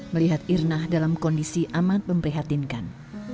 melihat irna dalam kondisi amat memprihatinkan